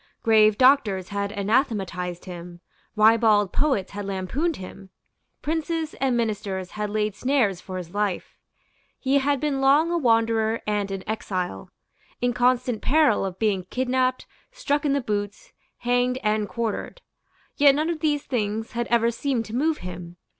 Grave doctors had anathematized him; ribald poets had lampooned him; princes and ministers had laid snares for his life; he had been long a wanderer and an exile, in constant peril of being kidnapped, struck in the boots, hanged and quartered. Yet none of these things had ever seemed to move him.